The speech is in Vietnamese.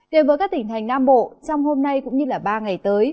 đến với các tỉnh thành nam bộ trong hôm nay cũng như ba ngày tới